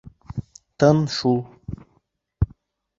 Тын шул...